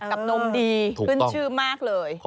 กับหนมดีพื้นชื่อมากเลย